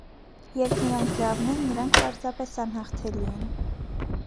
Երբ նրանք լավնեն, նրանք պարզապես անհաղթելի են։